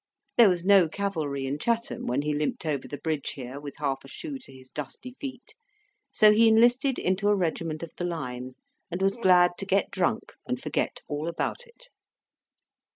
There was no cavalry in Chatham when he limped over the bridge here with half a shoe to his dusty feet, so he enlisted into a regiment of the line, and was glad to get drunk and forget all about it.